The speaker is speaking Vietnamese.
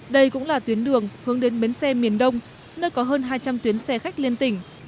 đây cũng là tuyến đường hướng đến bến xe miền đông nơi có hơn hai trăm linh tuyến xe khách liên tỉnh